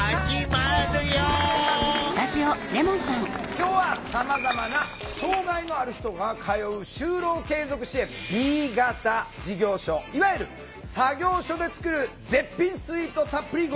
今日はさまざまな障害のある人が通う就労継続支援Ｂ型事業所いわゆる作業所で作る絶品スイーツをたっぷりご紹介してまいります。